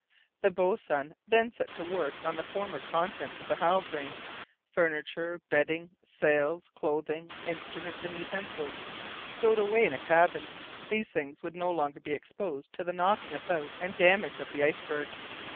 The boatswain then set to work on the former contents of the Halbrane, furniture, bedding, sails, clothing, instruments, and utensils. Stowed away in a cabin, these things would no longer be exposed to the knocking about and damage of the iceberg.